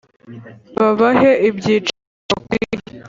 Babahe ibyicaro bibakwiye,